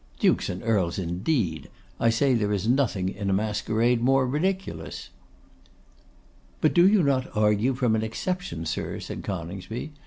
Dukes and Earls indeed! I say there is nothing in a masquerade more ridiculous.' 'But do you not argue from an exception, sir?' said Coningsby.